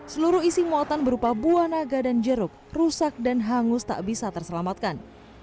seluruh isi muatan berupa buah naga dan jeruk rusak dan hangus tak bisa terselamatkan